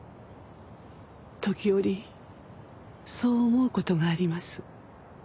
時折そう思う事があります。